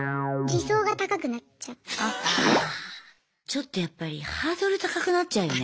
ちょっとやっぱりハードル高くなっちゃうよね。